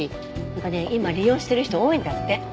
なんかね今利用してる人多いんだって。